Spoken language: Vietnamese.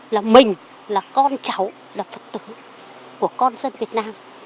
là mình là con cháu là phật tử của con dân việt nam